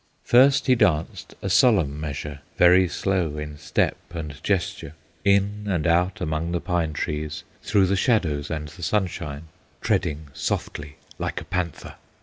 First he danced a solemn measure, Very slow in step and gesture, In and out among the pine trees, Through the shadows and the sunshine, Treading softly like a panther.